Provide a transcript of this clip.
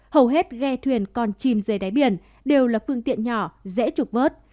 hầu hết ghe thuyền còn chìm dưới đáy biển đều là phương tiện nhỏ dễ trục vớt